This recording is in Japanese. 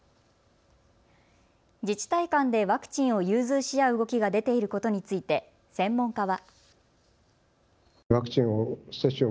自治体間でワクチンを融通し合う動きが出ていることについて専門家は。